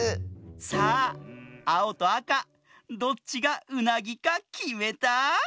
さああおとあかどっちがうなぎかきめた？